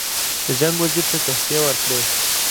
د جنګ وزیر ته تحفې ورکړي.